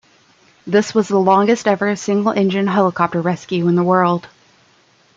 This was the longest ever single-engine helicopter rescue in the world.